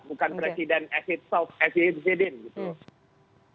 bukan presiden as a self as a president gitu